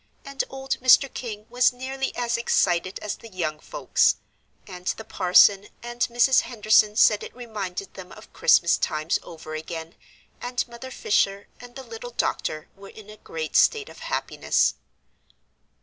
And old Mr. King was nearly as excited as the young folks, and the Parson and Mrs. Henderson said it reminded them of Christmas times over again, and Mother Fisher and the little doctor were in a great state of happiness.